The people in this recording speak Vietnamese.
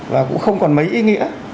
và cũng không còn mấy ý nghĩa